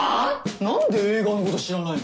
なんで映画のこと知らないの？